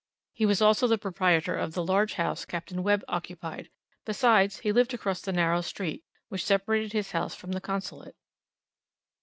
He was also the proprietor of the large house Capt. Webb occupied; besides, he lived across the narrow street which separated his house from the Consulate.